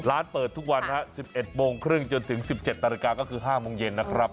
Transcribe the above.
ร้านเปิดทุกวัน๑๑๓๐จนถึง๑๗๐๐ก็คือ๕โมงเย็นนะครับ